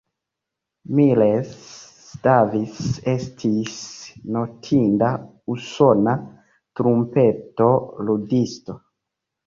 Miles Davis estis notinda usona trumpeto ludisto.